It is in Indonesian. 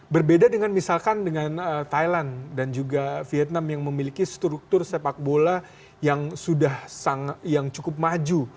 berbeda dengan misalkan dengan thailand dan juga vietnam yang memiliki struktur sepak bola yang cukup maju